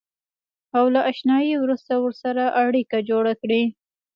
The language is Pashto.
او له اشنایۍ وروسته ورسره اړیکه جوړه کړئ.